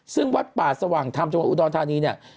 ซึ่งวัดป่าสว่างธรรมจังหวัดอุดรธานีเนี่ย